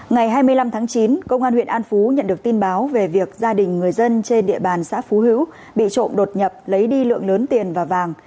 ngày hai mươi năm tháng chín công an huyện an phú nhận được tin báo về việc gia đình người dân trên địa bàn xã phú hữu bị trộm đột nhập lấy đi lượng lớn tiền và vàng